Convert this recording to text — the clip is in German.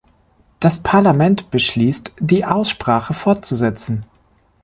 Das Parlament beschließt, die Aussprache fortzusetzen.